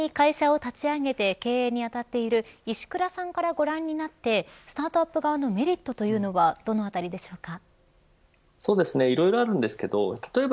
実際に会社を立ち上げて経営に当たっている石倉さんからご覧になってスタートアップ側のメリットというのはどのようなところでしょうか。